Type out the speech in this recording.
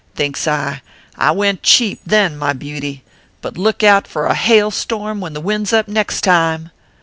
Thinks I, I went cheap, then, my beauty ; but look out for a hail storm when the wind s up next time.